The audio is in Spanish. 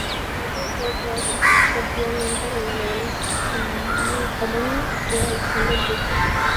La película está basada parcialmente en la novela homónima de Alexandre Dumas.